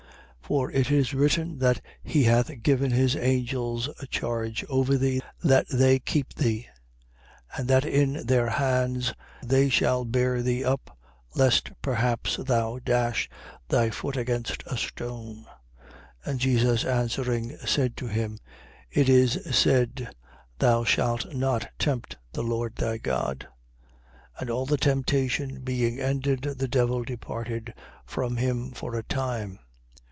4:10. For it is written that He hath given his angels charge over thee that they keep thee. 4:11. And that in their hands they shall bear thee up, lest perhaps thou dash thy foot against a stone. 4:12. And Jesus answering, said to him: It is said: Thou shalt not tempt the Lord thy God. 4:13. And all the temptation being ended, the devil departed from him for a time.